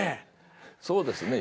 そうですね。